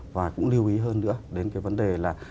và cũng lưu ý hơn nữa đến cái vấn đề là